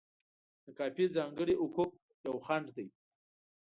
د کاپي ځانګړي حقوق یو خنډ دی.